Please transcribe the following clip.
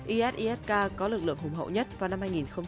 is isk có lực lượng hùng hậu nhất vào năm hai nghìn một mươi tám